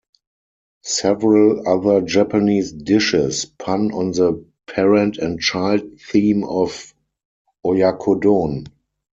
Several other Japanese dishes pun on the parent-and-child theme of "oyakodon".